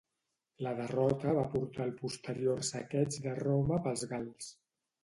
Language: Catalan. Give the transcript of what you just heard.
La derrota va portar al posterior saqueig de Roma pels gals.